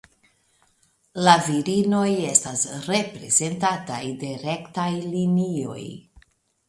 La virinoj estas representataj de rektaj linioj.